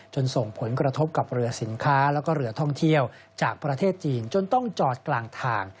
ส่งผลกระทบกับเรือสินค้าแล้วก็เรือท่องเที่ยวจากประเทศจีนจนต้องจอดกลางทาง